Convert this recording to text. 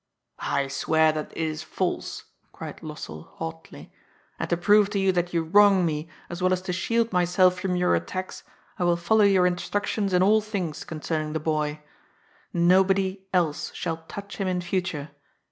'*" I swear that it is false," cried Lossell hotly. And to proye to you that you wrong me, as well as to shield myself from your attacks, I will follow your instructions in all things concerning the boy. Nobody else shall touch him in future.